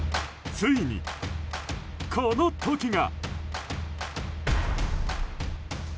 ついに、この時が。